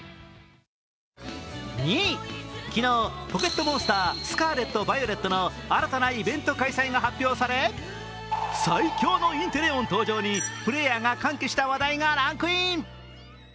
２位、昨日、「ポケットモンスタースカーレット・バイオレット」の新たなイベント開催が発表され最強のインテレオン登場にプレーヤーが歓喜した話題がランクイン。